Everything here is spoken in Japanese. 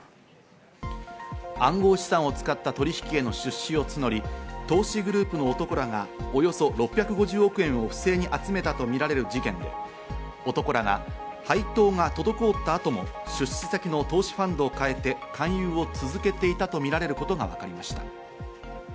暗号資産を使った取引への出資を募り、投資グループの男らがおよそ６５０億円を不正に集めたとみられる事件で、男らが配当が滞った後も出資先の投資ファンドを変えて勧誘を続けていたとみられることがわかりました。